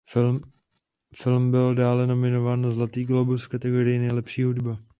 Film byl dále nominován na Zlatý glóbus v kategorii nejlepší hudba.